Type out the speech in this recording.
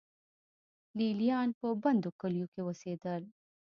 لې لیان په بندو کلیو کې اوسېدل.